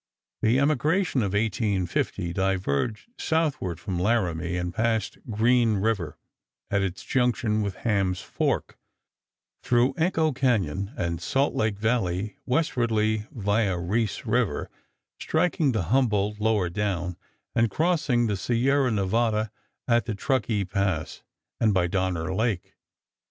The emigration of 1850 diverged southward from Laramie and past Green River at its junction with Hams Fork, through Echo Cañon and Salt Lake Valley westwardly via Reese River, striking the Humboldt lower down, and crossing the Sierra Nevada at the Truckee Pass and by Donner Lake.